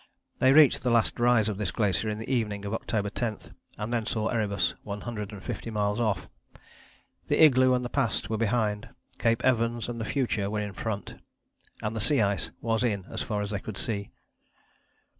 They reached the last rise of this glacier in the evening of October 10, and then saw Erebus, one hundred and fifty miles off. The igloo and the past were behind: Cape Evans and the future were in front and the sea ice was in as far as they could see.